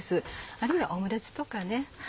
あるいはオムレツとかね。